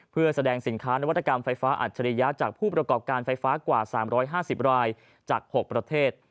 เพื่อแสดงสินค้านวัตกรรมไฟฟ้าอัจฉริยะจากผู้ประกอบการไฟฟ้ากว่า๓๕๐รายจาก๖ประเทศ